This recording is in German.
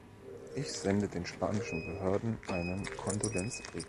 Ich sende den spanischen Behörden einen Kondolenzbrief.